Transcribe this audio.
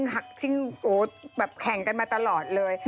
หรือน่ารักเลย